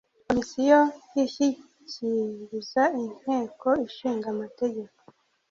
komisiyo ishyikiriza inteko ishinga amategeko